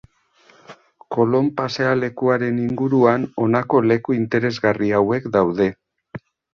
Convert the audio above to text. Kolon pasealekuaren inguruan honako leku interesgarri hauek daude.